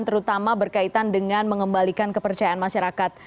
terutama berkaitan dengan mengembalikan kepercayaan masyarakat